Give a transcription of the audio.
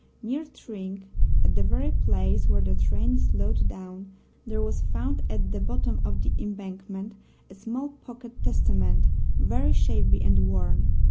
Near Tring, at the very place where the train slowed down, there was found at the bottom of the embankment a small pocket Testament, very shabby and worn.